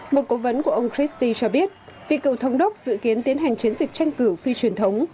một cố vấn của ông christi cho biết vị cựu thống đốc dự kiến tiến hành chiến dịch tranh cử phi truyền thống